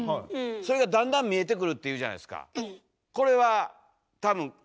それがだんだん見えてくるっていうじゃないですか。